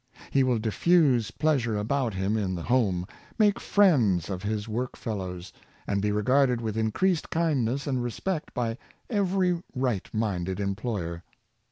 He will diffuse pleasure about him in the home, make friends of his work fel lows, and be regarded with increased kindness and respect by every right minded employer.